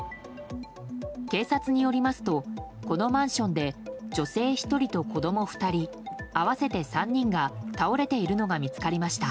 警察によりますとこのマンションで女性１人と子供２人合わせて３人が倒れているのが見つかりました。